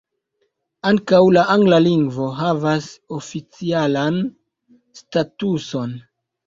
Ankaŭ la angla lingvo havas oficialan statuson.